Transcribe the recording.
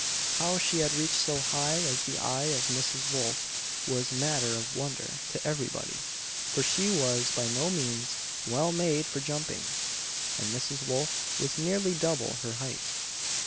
How she had reached so high as the eye of Mrs. Wolf, was matter of wonder to everybody; for she was by no means well made for jumping, and Mrs. Wolf was nearly double her height.